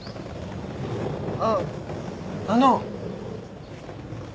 あっあの。